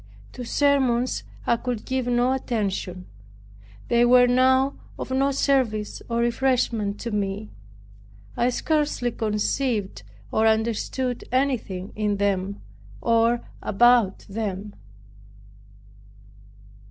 To sermons I could give no attention; they were now of no service or refreshment to me. I scarcely conceived or understood anything in them, or about them.